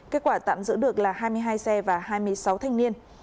kết quả tạm giữ được là hai mươi hai xe và hai mươi sáu thanh niên